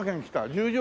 十条